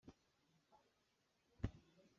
Ngun tangka.